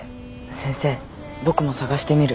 先生僕も探してみる。